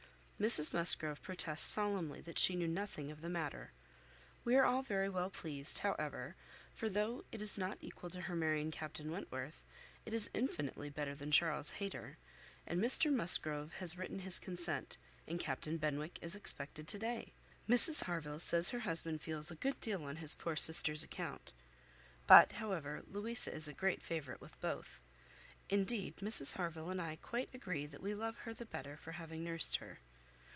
Mrs Musgrove protests solemnly that she knew nothing of the matter. We are all very well pleased, however, for though it is not equal to her marrying Captain Wentworth, it is infinitely better than Charles Hayter; and Mr Musgrove has written his consent, and Captain Benwick is expected to day. Mrs Harville says her husband feels a good deal on his poor sister's account; but, however, Louisa is a great favourite with both. Indeed, Mrs Harville and I quite agree that we love her the better for having nursed her.